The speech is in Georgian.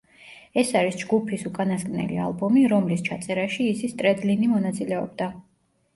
ეს არის ჯგუფის უკანასკნელი ალბომი, რომლის ჩაწერაში იზი სტრედლინი მონაწილეობდა.